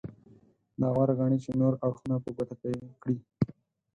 دا غوره ګڼي چې نور اړخونه په ګوته کړي.